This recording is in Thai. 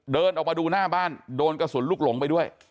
เดินออกมาดูหน้าบ้านโดนกระสุนลูกหลงไปด้วย